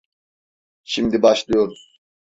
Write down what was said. Şimdi başlıyoruz.